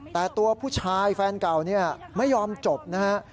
แต่ตัวผู้ชายแฟนเก่าเนี่ยไม่ยอมจบนะฮะ